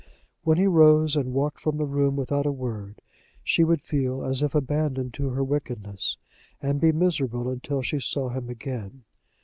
When he rose and walked from the room without a word, she would feel as if abandoned to her wickedness, and be miserable until she saw him again.